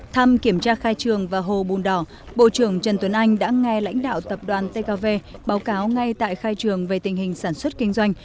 thăm kiểm tra khai trường và hồ bùn đỏ bộ trưởng trần tuấn anh đã nghe lãnh đạo tập đoàn tkv báo cáo ngay tại khai trường về tình hình sản xuất kinh doanh